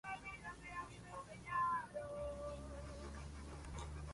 Recibió los premios Hugo, Bram Stoker y el Mundial de Fantasía.